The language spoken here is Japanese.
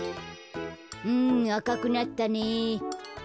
うんあかくなったね。